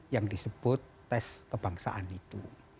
yang disebut tes kebangsaan itu